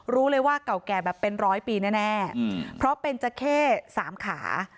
รู้เลยว่าเก่าแก่แบบเป็นร้อยปีแน่เพราะเป็นจักเข้สามขา